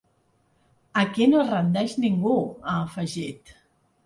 Aquí no es rendeix ningú, ha afegit.